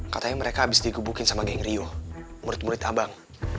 katanya mereka habis digebukin sama geng rio murid murid abang